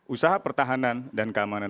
usaha pertahanan dan keamanan